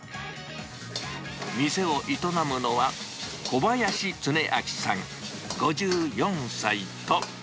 店を営むのは、小林経明さん５４歳と。